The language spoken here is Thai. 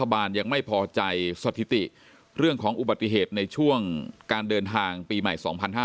บานยังไม่พอใจสถิติเรื่องของอุบัติเหตุในช่วงการเดินทางปีใหม่๒๕๕๙